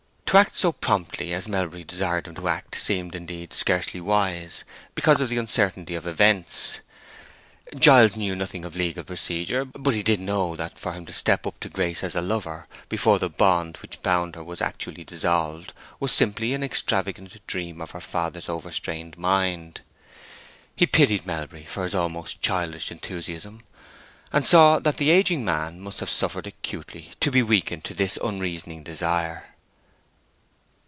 To act so promptly as Melbury desired him to act seemed, indeed, scarcely wise, because of the uncertainty of events. Giles knew nothing of legal procedure, but he did know that for him to step up to Grace as a lover before the bond which bound her was actually dissolved was simply an extravagant dream of her father's overstrained mind. He pitied Melbury for his almost childish enthusiasm, and saw that the aging man must have suffered acutely to be weakened to this unreasoning desire.